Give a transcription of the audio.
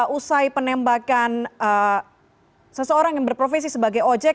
usai penembakan seseorang yang berprofesi sebagai ojek